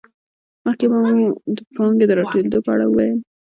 مخکې مو د پانګې د راټولېدو په اړه وویل